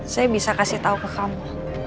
saya bisa kasih tahu ke kamu